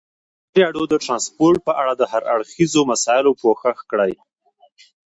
ازادي راډیو د ترانسپورټ په اړه د هر اړخیزو مسایلو پوښښ کړی.